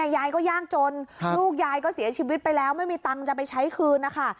ยายก็ยากจนลูกยายก็เสียชีวิตไปแล้วไม่มีตังค์จะไปใช้คืนนะคะ